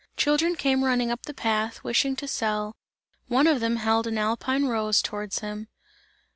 Children came running up the path, wishing to sell; one of them held an alpine rose towards him.